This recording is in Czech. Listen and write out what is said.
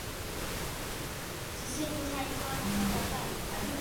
Je zapotřebí provést zkoušky.